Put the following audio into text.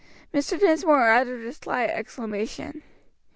Mr. Dinsmore uttered a slight exclamation.